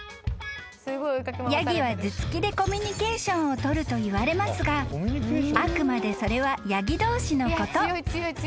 ［ヤギは頭突きでコミュニケーションを取るといわれますがあくまでそれはヤギ同士のこと］